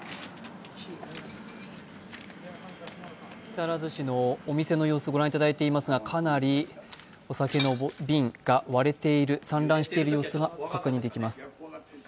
木更津市のお店の様子をご覧いただいていますが、かなりお酒の瓶が割れている、散乱している様子が確認できます。